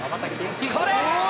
これ！